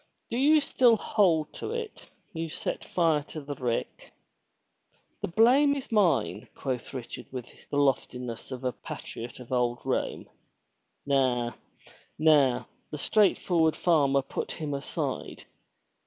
Do you still hold to it, you set fire to the rick?" *'The blame is mine," quoth Richard with the loftiness of a patriot of old Rome. "Na, na!" the straightforward farmer put him aside.